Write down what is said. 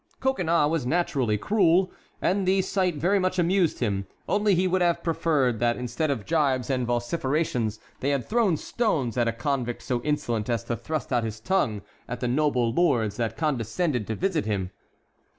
Coconnas was naturally cruel, and the sight very much amused him, only he would have preferred that instead of gibes and vociferations they had thrown stones at a convict so insolent as to thrust out his tongue at the noble lords that condescended to visit him.